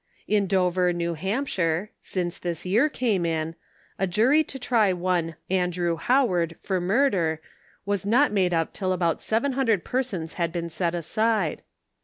In Dover, N. H., since this year came in, a jury to try one Andrew Howard for murder was not made up till about seven hundred persons had been set aside.